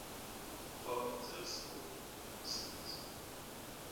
Fog is also a constant.